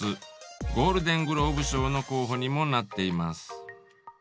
ゴールデン・グローブ賞の候補にもなっています。